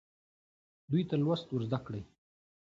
دوی ته لوست ورزده کړئ.